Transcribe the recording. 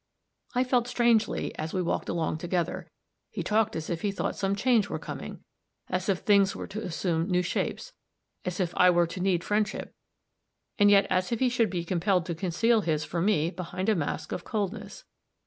I felt strangely as we walked along together. He talked as if he thought some change were coming as if things were to assume new shapes as if I were to need friendship, and yet as if he should be compelled to conceal his for me behind a mask of coldness.